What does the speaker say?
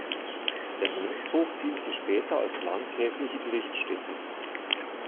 Der Mönchshof diente später als landgräfliche Gerichtsstätte.